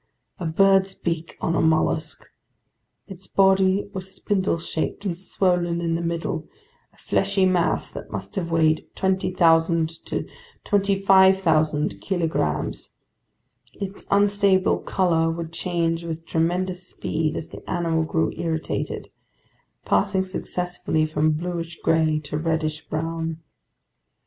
A bird's beak on a mollusk! Its body was spindle shaped and swollen in the middle, a fleshy mass that must have weighed 20,000 to 25,000 kilograms. Its unstable color would change with tremendous speed as the animal grew irritated, passing successively from bluish gray to reddish brown.